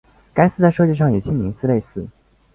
该寺在设计上与庆宁寺类似。